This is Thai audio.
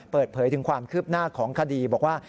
เปิดเผยถึงความคืบหน้าของคดีบอกว่า